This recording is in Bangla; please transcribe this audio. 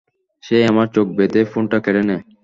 সে আমার চোখ বেঁধে ফোনটা কেড়ে নেয়।